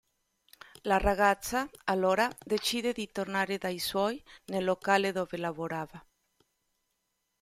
La ragazza, allora, decide di tornare dai suoi, nel locale dove lavorava.